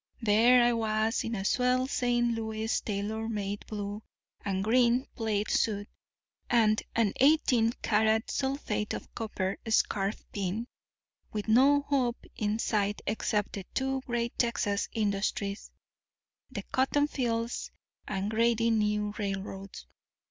There I was in a swell St. Louis tailor made, blue and green plaid suit, and an eighteen carat sulphate of copper scarf pin, with no hope in sight except the two great Texas industries, the cotton fields and grading new railroads.